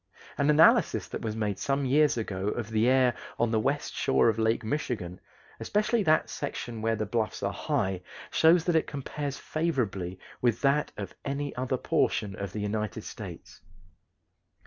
An analysis that was made some years ago of the air on the west shore of Lake Michigan, especially that section where the bluffs are high, shows that it compares favorably with that of any other portion of the United States.